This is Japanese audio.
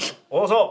そう！